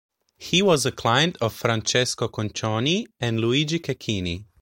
He was a client of Francesco Conconi and Luigi Cecchini.